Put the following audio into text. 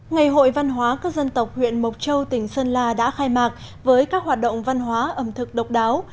ngày hội văn hóa các dân tộc huyện mộc châu tỉnh sơn la đã khai mạc với các hoạt động văn hóa ẩm thực độc đáo